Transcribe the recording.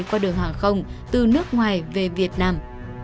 qua đường hàng không từ nước ngoài về việt nam